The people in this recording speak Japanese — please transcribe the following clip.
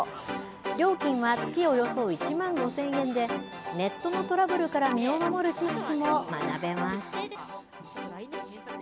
料金は月およそ１万５０００円で、ネットのトラブルから身を守る知識も学べます。